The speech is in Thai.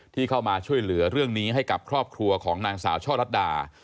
ที่เข้ามาช่วยเหลือเรื่องนี้ให้กับครอบครัวของนางสาวช่อลัดดา